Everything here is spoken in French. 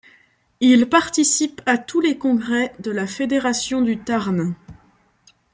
Il participe à tous les congrès de la fédération du Tarn.